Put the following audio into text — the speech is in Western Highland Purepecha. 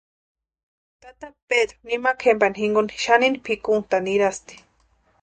Tata Pedru nimakwa jempani jinkoni xanini pʼikuntʼani nirasti.